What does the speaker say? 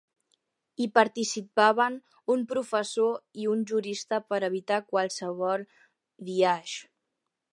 Hi participaven un professor i un jurista per evitar qualsevol biaix.